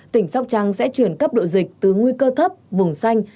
tỉnh sóc trăng sẽ chuyển cấp độ dịch từ nguy cơ thấp vùng xanh